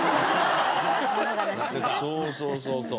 そうそうそうそう。